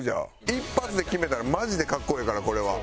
一発で決めたらマジで格好ええからこれは。